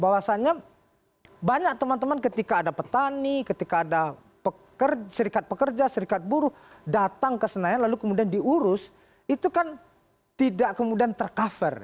bahwasannya banyak teman teman ketika ada petani ketika ada serikat pekerja serikat buruh datang ke senayan lalu kemudian diurus itu kan tidak kemudian tercover